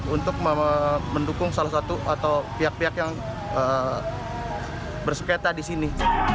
untuk mendukung salah satu atau pihak pihak yang bersengketa di sini